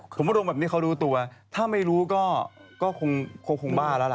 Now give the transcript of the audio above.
ผมว่าลงแบบนี้เขารู้ตัวถ้าไม่รู้ก็คงบ้าแล้วล่ะ